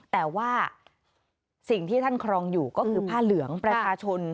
แต่ว่าสิ่งที่ท่านครองอยู่ก็คือผ้าเหลืองประชาชน